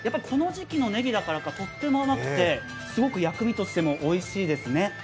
この時期のねぎだからかとっても甘くてすごく薬味としてもおいしいですね。